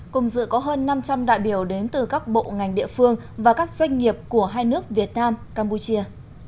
cùng dự có hơn năm trăm linh đại biểu đến từ các bộ ngành địa phương và các doanh nghiệp của hai nước việt nam campuchia